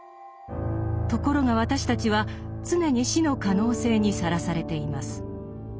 ところが私たちは常に死の可能性にさらされています。